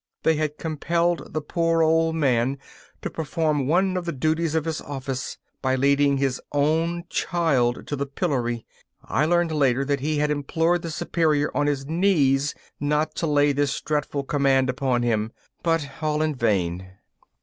They had compelled the poor old man to perform one of the duties of his office by leading his own child to the pillory! I learned later that he had implored the Superior on his knees not to lay this dreadful command upon him, but all in vain.